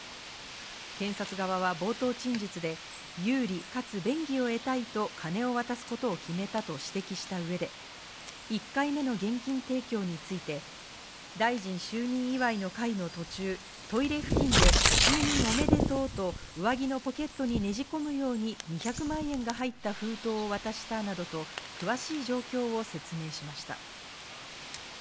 検察側は冒頭陳述で有利かつ便宜を得たいと金を渡すことを決めたと指摘した上で、１回目の現金提供について、大臣就任祝いの会の途中、トイレ付近で就任おめでとうと上着のポケットにねじ込むように２００万円が入った封筒を渡したなどと詳しい状況を説明しました。